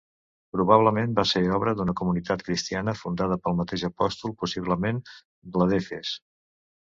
Probablement va ser obra d'una comunitat cristiana fundada pel mateix apòstol, possiblement la d'Efes.